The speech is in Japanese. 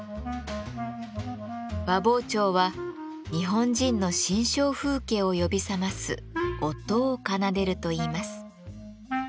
和包丁は日本人の心象風景を呼び覚ます音を奏でるといいます。